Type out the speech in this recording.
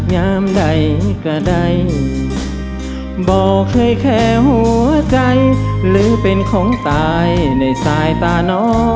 ห้าปีเต็มแกถึงได้กลับบ้าน